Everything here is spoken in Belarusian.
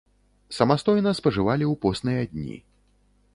Самастойна спажывалі ў посныя дні.